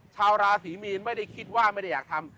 ชาวราศรีมีนไม่ได้คิดว่าไม่ได้อยากทำ